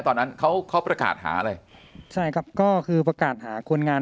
ตอนนั้นเขาเขาประกาศหาอะไรใช่ครับก็คือประกาศหาคนงาน